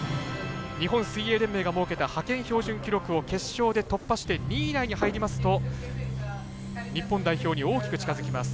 日本水泳連盟が設けた派遣標準記録を決勝で突破して２位以内に入りますと日本代表に大きく近づきます。